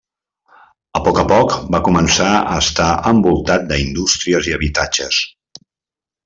A poc a poc va començar a estar envoltat d'indústries i habitatges.